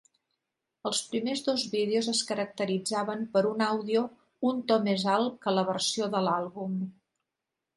Els primers dos vídeos es caracteritzaven per un àudio un to més alt que la versió de l'àlbum.